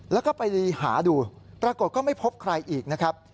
แล้วก็ไปหาดูปรากฏก็ไม่พบใครอีกนะครับ